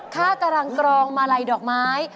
ข้ากำลังกรองมาลัยดอกไม้